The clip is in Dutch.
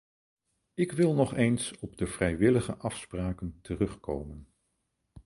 Ik wil nog eens op de vrijwillige afspraken terugkomen.